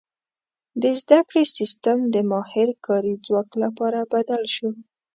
• د زده کړې سیستم د ماهر کاري ځواک لپاره بدل شو.